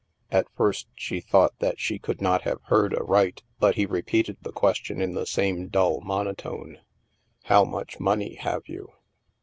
At first she thought that she could not have heard aright, but he repeated the question in the same dull monotone :" How much money have you?''